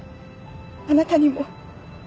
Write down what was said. あなたにも。